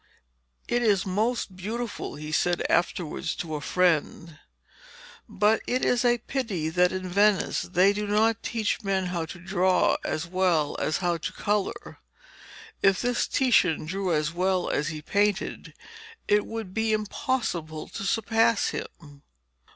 'It is most beautiful,' he said afterwards to a friend; 'but it is a pity that in Venice they do not teach men how to draw as well as how to colour. If this Titian drew as well as he painted, it would be impossible to surpass him.'